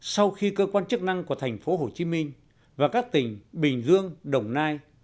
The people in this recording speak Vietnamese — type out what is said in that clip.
sau khi cơ quan chức năng của thành phố hồ chí minh và các tỉnh bình dương đồng nai